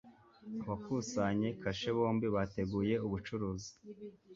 Abakusanya kashe bombi bateguye ubucuruzi.